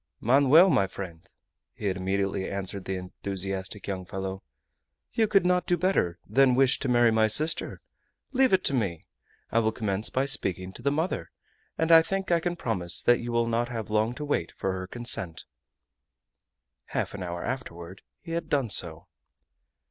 "Manoel, my friend," had immediately answered the enthusiastic young fellow, "you could not do better than wish to marry my sister. Leave it to me! I will commence by speaking to the mother, and I think I can promise that you will not have to wait long for her consent." Half an hour afterward he had done so.